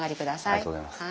ありがとうございます。